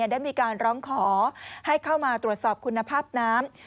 ได้มีการร้องขอให้เข้ามาตรวจสอบคุณภาพน้ำ